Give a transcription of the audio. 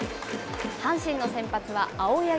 阪神の先発は青柳。